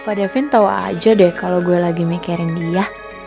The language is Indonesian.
pak davin tahu aja deh kalau gue lagi mikirin dia